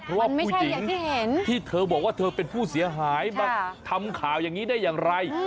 เพราะว่าผู้หญิงที่เธอบอกว่าเธอเป็นผู้เสียหายมาทำข่าวอย่างนี้ได้อย่างไร